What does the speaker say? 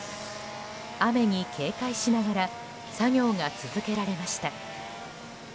雨に警戒しながら作業が続けられました。